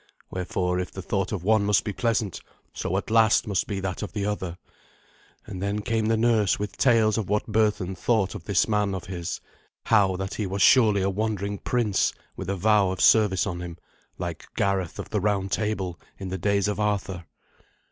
Wherefore if the thought of one must be pleasant so at last must be that of the other. And then came the nurse with tales of what Berthun thought of this man of his how that he was surely a wandering prince, with a vow of service on him, like Gareth of the Round Table in the days of Arthur.